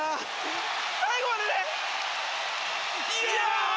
最後まで！